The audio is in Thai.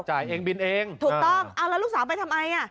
จ่ายเองบินเองถูกต้องเอาแล้วลูกสาวไปทำอะไรอ่ะ